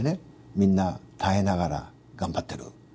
みんな耐えながら頑張ってる。